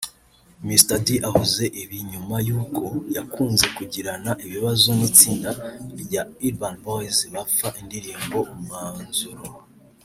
Mr D avuze ibi nyuma y’uko yakunze kugirana ibibazo n’itsinda rya Urban Boys bapfa indirimbo’Umwanzuro’